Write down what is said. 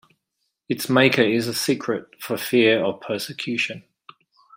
Its maker is a secret for fear of persecution.